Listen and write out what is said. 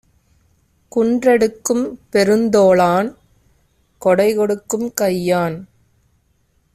குன்றெடுக்கும் பெருந்தோளான் கொடைகொடுக்கும் கையான்!